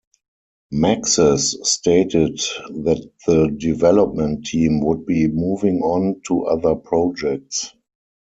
Maxis stated that the development team would be moving on to other projects.